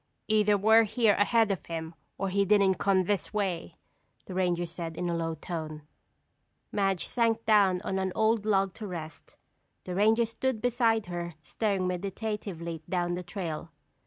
"Either we're here ahead of him, or he didn't come this way," the ranger said in a low tone. Madge sank down on an old log to rest. The ranger stood beside her staring meditatively down the trail.